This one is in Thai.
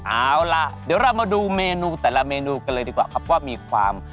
เอาล่ะเดี๋ยวเรามาดูเมนูแต่ละเมนูกันเลยดีกว่าครับว่ามีความ